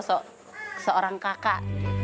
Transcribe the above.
sosok seorang kakak